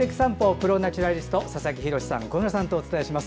プロ・ナチュラリスト佐々木洋さん小村さんとお伝えします。